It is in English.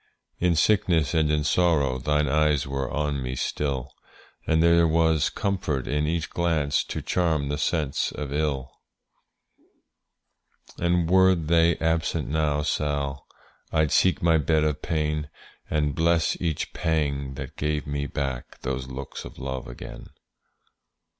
In sickness and in sorrow Thine eyes were on me still, And there was comfort in each glance To charm the sense of ill. And were they absent now, Sall, I'd seek my bed of pain, And bless each pang that gave me back Those looks of love again.